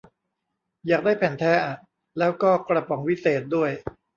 อยากได้แผ่นแท้อะ แล้วก็กระป๋องวิเศษด้วย